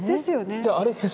じゃああれへそ？